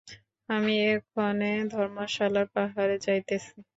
আমি এক্ষণে ধর্মশালার পাহাড়ে যাইতেছি।